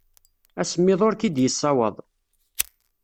Asemmiḍ ur k-id-yeṣṣawaḍ.